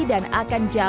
dan akan jauh